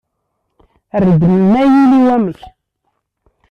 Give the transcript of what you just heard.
Err-d ma yili wamek.